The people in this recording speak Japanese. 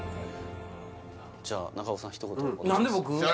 じゃあ中岡さんひと言何で僕？